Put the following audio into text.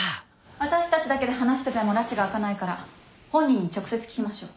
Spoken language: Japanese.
私たちだけで話しててもらちが明かないから本人に直接聞きましょう。